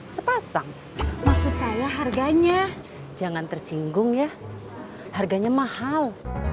sepasang maksud saya harganya jangan tersinggung ya harganya mahal